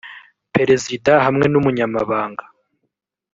perezida hamwe n umunyamabanga